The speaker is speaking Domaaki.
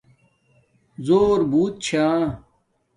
زُݸربݸت چھݳ